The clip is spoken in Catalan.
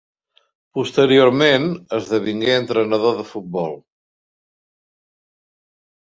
Posteriorment esdevingué entrenador de futbol.